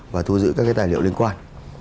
và thu giữ các cái tài liệu liên quan